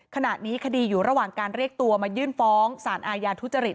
ขณะนี้คดีอยู่ระหว่างการเรียกตัวมายื่นฟ้องสารอาญาทุจริต